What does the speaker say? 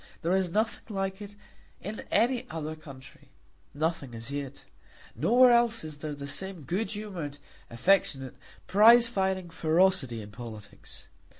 There is nothing like it in any other country, nothing as yet. Nowhere else is there the same good humoured, affectionate, prize fighting ferocity in politics.